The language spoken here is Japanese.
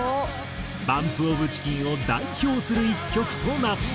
ＢＵＭＰＯＦＣＨＩＣＫＥＮを代表する１曲となった。